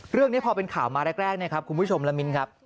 เรื่องนี้พอเป็นข่าวมาแรกเนี่ยครับคุณผู้ชมละมิ้นครับ